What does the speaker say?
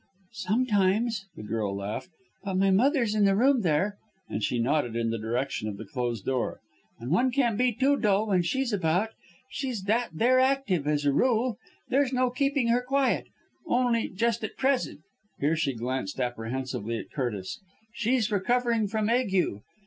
"Sometimes," the girl laughed. "But my mother's in the room there," and she nodded in the direction of the closed door. "And one can't be dull when she's about. She's that there active as a rule, there's no keeping her quiet only just at present" here she glanced apprehensively at Curtis "she's recovering from ague.